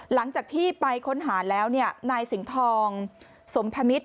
หลังจากที่ไปค้นหาแล้วนายสิงห์ทองสมพมิตร